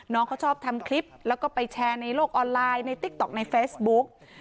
น้องเขาชอบทำคลิปแล้วก็ไปแชร์ในโลกออนไลน์ในติ๊กต๊อกในเฟซบุ๊ก